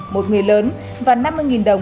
một người lớn và năm mươi đồng